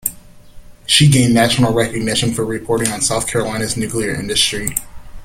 She gained national recognition for reporting on South Carolina's nuclear industry.